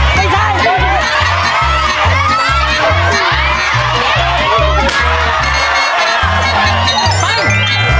ไปไป